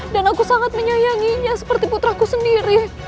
dan aku sangat menyayanginya seperti putraku sendiri